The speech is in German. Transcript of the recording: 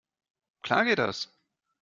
Klar geht das!